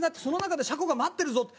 その中で車庫が待ってるぞ。